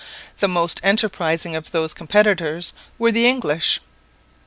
The most enterprising of those competitors were the English.